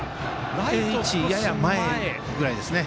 定位置やや前ぐらいですね。